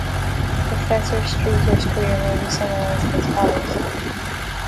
Professor Streater's career may be summarised as follows.